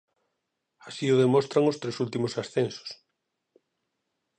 Así o demostran os tres últimos ascensos.